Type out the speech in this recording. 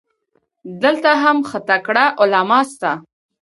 دلته هم ښه تکړه علما سته.